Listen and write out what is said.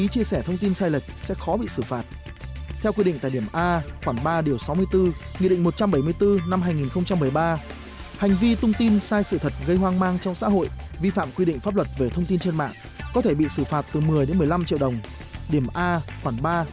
có thể bị xử phạt từ một mươi đến một mươi năm triệu đồng điểm a khoảng ba điều sáu mươi bốn nguyên định một trăm bảy mươi bốn hai nghìn bảy mươi ba